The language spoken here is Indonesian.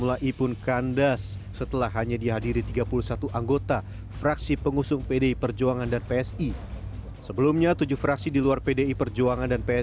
apakah ada kelanjutan efeknya akan menjatuhkan anis